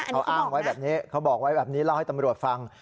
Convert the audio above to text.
เขาอ้างไว้แบบนี้เขาบอกไว้แบบนี้เล่าให้ตำรวจฟัง